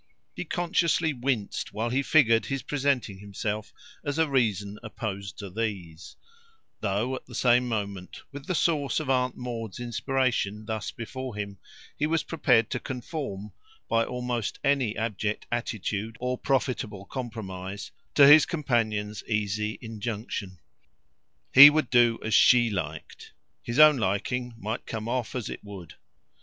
He consciously winced while he figured his presenting himself as a reason opposed to these; though at the same moment, with the source of Aunt Maud's inspiration thus before him, he was prepared to conform, by almost any abject attitude or profitable compromise, to his companion's easy injunction. He would do as SHE liked his own liking might come off as it would.